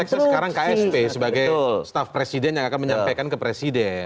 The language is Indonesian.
konteksnya sekarang ksp sebagai staff presiden yang akan menyampaikan ke presiden